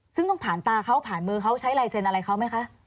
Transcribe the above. ซึ่งต้องผ่านตาเขาผ่านมือเขาใช้ลายเซ็นอะไรเขาไหมคะ